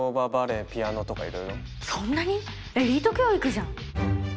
エリート教育じゃん。